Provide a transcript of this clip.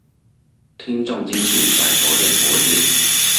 聽重金屬甩頭練脖子